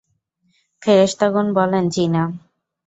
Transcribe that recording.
ফেরেশতাগণ বলেন, জ্বী না।